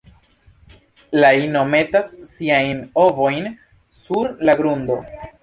La ino metas siajn ovojn sur la grundo.